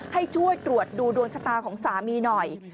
ให้ช่วยตรวจดูดวงชะตาของสามีหน่อย